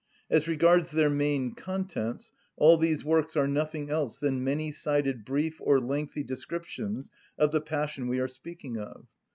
As regards their main contents, all these works are nothing else than many‐sided brief or lengthy descriptions of the passion we are speaking of.